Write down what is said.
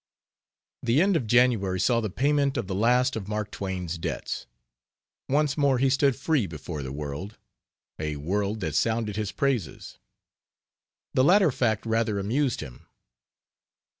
The end of January saw the payment of the last of Mark Twain's debts. Once more he stood free before the world a world that sounded his praises. The latter fact rather amused him.